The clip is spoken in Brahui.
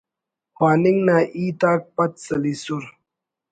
پاننگ نا ہیت آک پد سلیسر